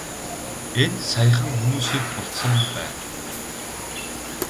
Энд саяхан хүмүүсийг булсан байна.